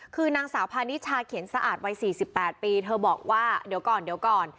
คือนางสาวพานิชาเขียนสะอาดวัย๔๘ปีเธอบอกว่าเดี๋ยวก่อนเดี๋ยวก่อน